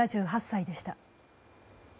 ７８歳でした。